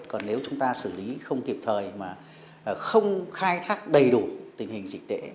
còn nếu chúng ta xử lý không kịp thời mà không khai thác đầy đủ tình hình dịch tễ